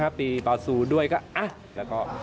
แดดมีบังเกียวก็อะแล้วก็